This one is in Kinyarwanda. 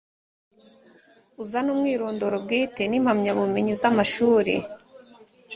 uzane umwirondoro bwite n ‘impamyabumenyi z’ amashuri.